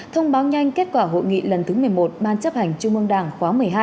thông báo nhanh kết quả hội nghị lần thứ một mươi một ban chấp hành trung ương đảng khóa một mươi hai